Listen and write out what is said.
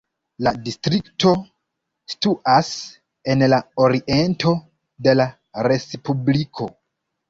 La distrikto situas en la oriento de la respubliko.